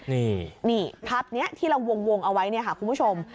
นี่ภาพนี้ที่เราวงเอาไว้เนี่ยค่ะคุณผู้ชม